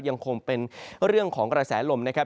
ยังคงเป็นเรื่องของกระแสลมนะครับ